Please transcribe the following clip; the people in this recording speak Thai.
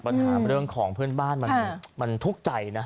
ปัญหาเรื่องของเพื่อนบ้านมันทุกข์ใจนะ